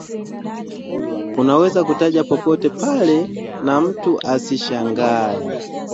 unaweza kutaja popote pale na mtu asishangae